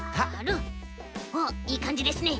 おっいいかんじですね。